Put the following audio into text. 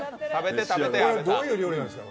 これはどういう料理なんですか。